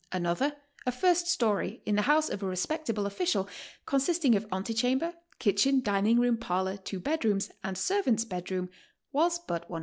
Another, a first story, in the house of a respectable official, consisting of ante chamber, kitchen, dining room, parlor, two bed rooms, and servant's bed raom, was but $110.